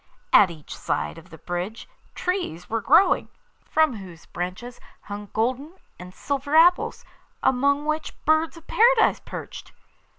At each side of the bridge trees were growing, from whose branches hung golden and silver apples, among which birds of Paradise perched.